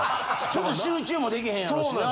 ちょっと集中も出来へんやろしな。